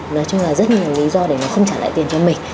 nói chung là rất nhiều lý do để nó không trả lại tiền cho mình